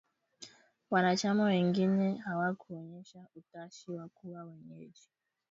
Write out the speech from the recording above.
Wanachama wengine hawakuonyesha utashi wa kuwa wenyeji